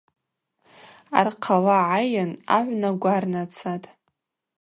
Архъа ла гӏайын агӏвна гварнацатӏ.